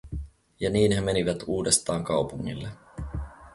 Ja niin he menivät uudestaan kaupungille.